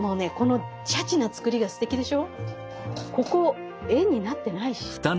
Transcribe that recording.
ここ円になってないし。